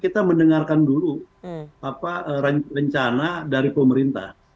kita mendengarkan dulu rencana dari pemerintah